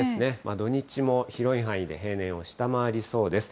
土日も広い範囲で平年を下回りそうです。